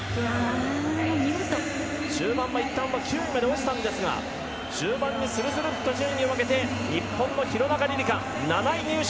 中盤はいったん９位落ちたんですが終盤にするすると順位を上げて日本の廣中璃梨佳、７位入賞。